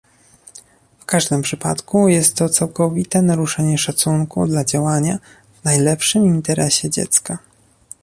W każdym przypadku jest to całkowite naruszenie szacunku dla działania w najlepszym interesie dziecka